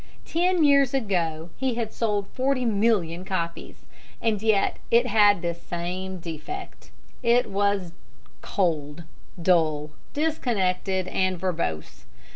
Ten years ago he had sold forty million copies. And yet it had this same defect. It was cold, dull, disconnected, and verbose.